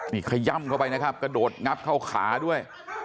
นี่ขย่ำเข้าไปนะครับกระโดดงับเข้าขาด้วย